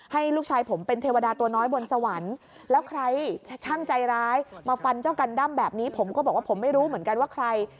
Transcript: ให้ลูกชายผมเป็นเทวดาตัวน้อยบนสวรรค์แล้วใครช่างใจร้ายมาฟันเจ้ากันด้ำแบบนี้ผมก็บอกว่าผมไม่รู้เหมือนกันว่าใคร